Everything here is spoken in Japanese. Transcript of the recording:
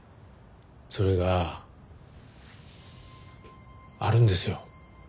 それがあるんですよ。